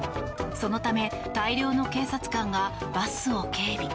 そのため、大量の警察官がバスを警備。